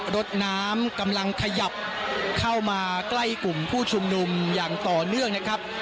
รถน้ำกำลังขยับเข้ามาใกล้กลุ่มผู้ชุมนุมอย่างต่อเนื่องนะครับ